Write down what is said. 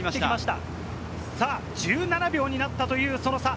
１７秒になったというその差。